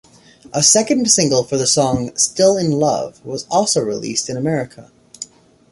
A second single for the song "Still in Love" was also released in America.